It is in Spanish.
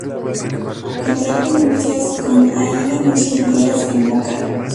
Contrajo nupcias con Aída Michel Díaz en Moca.